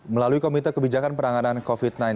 melalui komite kebijakan penanganan covid sembilan belas